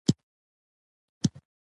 بالابلوک د فراه پښتون مېشته ولسوالي ده .